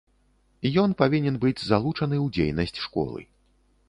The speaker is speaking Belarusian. Ён павінен быць залучаны ў дзейнасць школы.